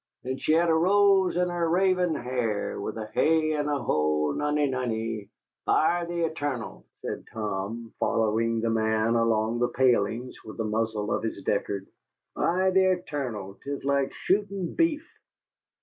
And she had a rose in her raven hair, With a hey, and a ho, nonny nonny!" "By the etarnal!" said Tom, following the man along the palings with the muzzle of his Deckard, "by the etarnal! 'tis like shootin' beef."